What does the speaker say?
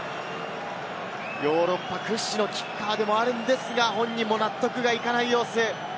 ヨーロッパ屈指のキッカーでもあるんですが、本人も納得がいかない様子。